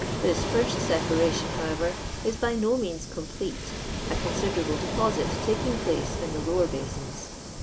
This first separation, however, is bv nij means complete, a cousiderable d^Kwt takinff pJacc in the lower basins.